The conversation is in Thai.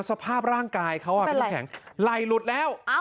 สภาพร่างกายเขาพี่น้ำแข็งไหล่หลุดแล้ว